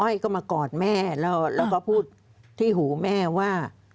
อ้อยก็มากอดแม่แล้วก็พูดที่หูแม่ว่า